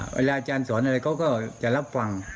อาจารย์สอนอะไรเขาก็จะรับฟัง